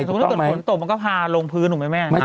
สมมุติมันเกิดผลตกมันก็พารงพื้นของแม่่